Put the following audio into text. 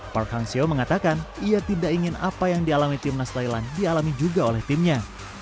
park hangsio mengatakan ia tidak ingin apa yang dialami timnas thailand dialami juga oleh timnya